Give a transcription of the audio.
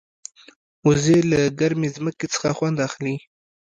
وزې له ګرمې ځمکې څخه خوند اخلي